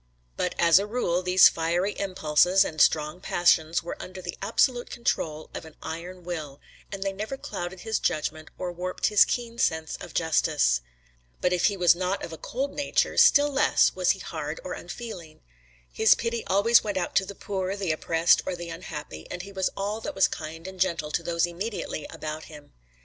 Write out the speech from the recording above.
But as a rule these fiery impulses and strong passions were under the absolute control of an iron will, and they never clouded his judgment or warped his keen sense of justice. But if he was not of a cold nature, still less was he hard or unfeeling. His pity always went out to the poor, the oppressed, or the unhappy, and he was all that was kind and gentle to those immediately about him.